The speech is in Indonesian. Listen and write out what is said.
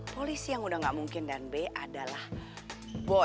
polisi yang udah gak mungkin dan b adalah bom